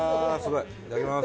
いただきます。